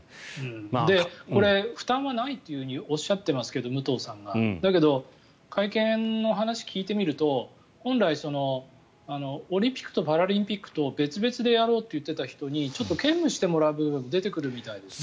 これ、武藤さんは負担はないとおっしゃってますけどだけど、会見の話を聞いてみると本来、オリンピックとパラリンピックと別々でやろうって言っていた人にちょっと兼務してもらう部分が出てくるみたいですね。